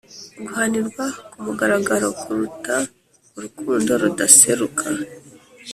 guhanirwa ku mugaragaro kuruta urukundo rudaseruka